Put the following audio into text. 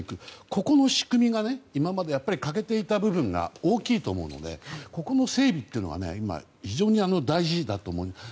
ここの仕組みが今まで欠けていた部分が大きいと思うのでここの整備というのが今、非常に大事だと思います。